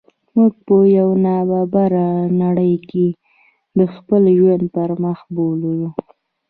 موږ په یوه نا برابره نړۍ کې د خپل ژوند پرمخ بوولو.